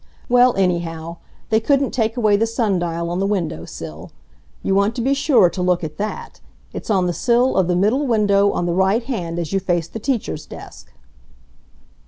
Well, anyhow, they couldn't take away the sun dial on the window sill. You want to be sure to look at that. It's on the sill of the middle window on the right hand as you face the teacher's desk."